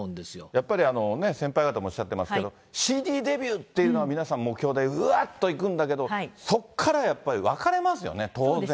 やっぱりね、先輩方もおっしゃってますけど、ＣＤデビューっていうのは皆さん目標で、うわっといくんだけど、そこから、やっぱり分かれますよね、当然。